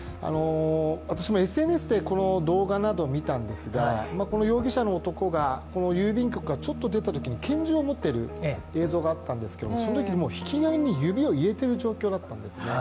私もＳＮＳで動画などを見たんですが容疑者の男が郵便局からちょっと出たときに拳銃を持っている映像があったんですけれどもそのときに引き金に指を入れている状況だったんですね。